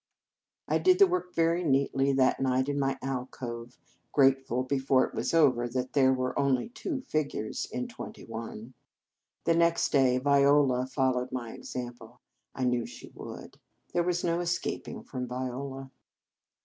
I did the work very neatly that night in my alcove, grateful, before it was over, that there were only two figures in twenty one. The next day Viola followed my example. I knew she would. There was no escaping from Viola.